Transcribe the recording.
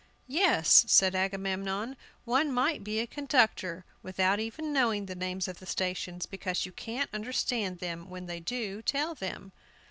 "Yes," said Agamemnon, "one might be a conductor without even knowing the names of the stations, because you can't understand them when they do tell them!"